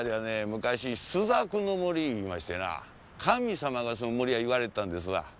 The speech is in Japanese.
昔朱雀の森いいましてな神様が住む森や言われてたんですわ。